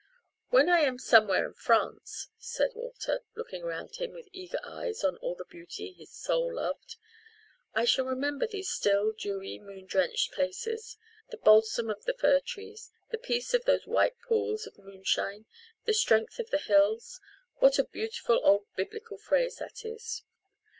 "When I am 'somewhere in France,'" said Walter, looking around him with eager eyes on all the beauty his soul loved, "I shall remember these still, dewy, moon drenched places. The balsam of the fir trees; the peace of those white pools of moonshine; the 'strength of the hills' what a beautiful old Biblical phrase that is.